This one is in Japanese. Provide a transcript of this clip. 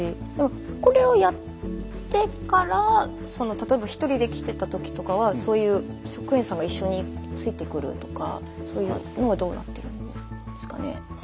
これをやってから例えば１人で来ていた時とかはそういう職員さんが一緒についてくるとかそういうのはどうなっているんですかね。